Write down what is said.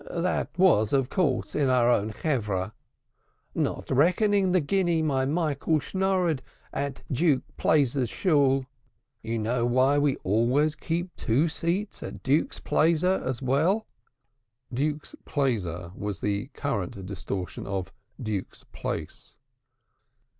That was of course in our own Chevrah, not reckoning the guinea my Michael shnodared at Duke's Plaizer Shool. You know we always keep two seats at Duke's Plaizer as well." Duke's Plaizer was the current distortion of Duke's Place.